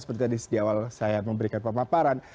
seperti tadi sejak awal saya memberikan pemaparan